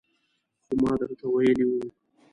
خو ما درته ویلي وو